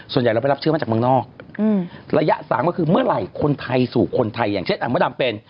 เราไปรับเชื้อมาจากเมืองนอกระยะสามก็คือเมื่อไหร่คนไทยสู่คนไทยอย่างเช่นมะดำเป็น